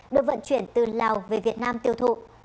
được vận chuyển từ lào về việt nam tiêu thụ